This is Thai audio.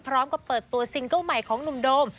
พร้อมกับเปิดตัวซิงเกิ้ลใหม่ของหนุ่มโดม